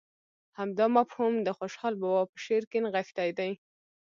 همدا مفهوم د خوشحال بابا په شعر کې نغښتی دی.